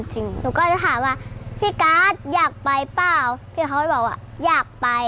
หนูก็จะถามว่าพี่การ์ดอยากไปเปล่าพี่เขาก็บอกว่าอยากไป